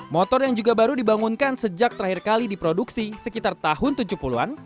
motor yang juga baru dibangunkan sejak terakhir kali diproduksi sekitar tahun tujuh puluh an